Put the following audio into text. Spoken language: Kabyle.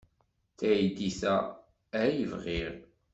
D taydit-a ay bɣiɣ.